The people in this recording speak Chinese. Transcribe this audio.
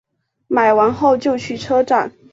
买完后就去车站